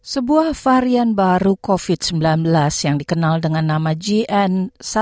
sebuah varian baru covid sembilan belas yang dikenal dengan nama gn satu tujuh